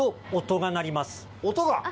音が？